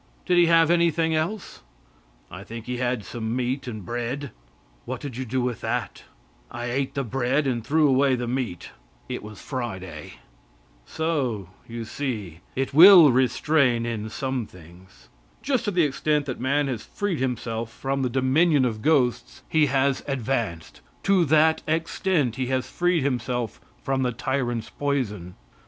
"Did he have anything else?" "I think he had some meat and bread." "What did you do with that?" "I ate the bread and threw away the meat; it was Friday." So you see it will restrain in some things. Just to the extent that man has freed himself from the dominion of ghosts he has advanced; to that extent he has freed himself from the tyrant's poison.